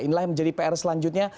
inilah yang menjadi pr selanjutnya